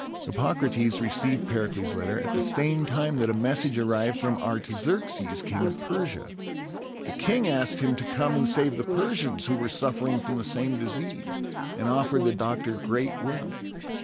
Hippocrates received Pericles' letter at the same time that a message arrived from Artaxerxes, King of Persia. The king asked him to come and save the Persians, who were suffering from the same disease, and offered the doctor great wealth.